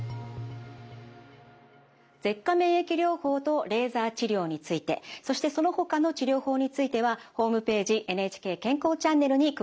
舌下免疫療法とレーザー治療についてそしてそのほかの治療法についてはホームページ「ＮＨＫ健康チャンネル」に詳しく掲載されています。